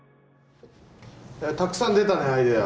たくさん出たねアイデア。